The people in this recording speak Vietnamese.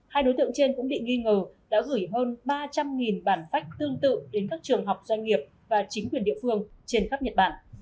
hai đối tượng trên cũng bị nghi ngờ đã gửi hơn ba trăm linh bản phách tương tự đến các trường học doanh nghiệp và chính quyền địa phương trên khắp nhật bản